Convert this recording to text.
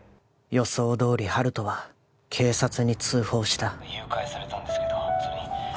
予想どおり温人は警察に通報した誘拐されたんですけど